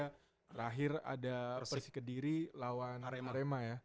terakhir ada persis ke diri lawan arema ya